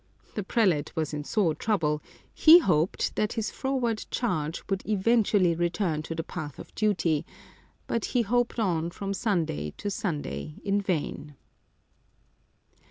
The prelate was in sore trouble : he hoped that his froward charge would eventually 276 Chiapa Chocolate return to the path of duty, but he hoped on from Sunday to Sunday in vain.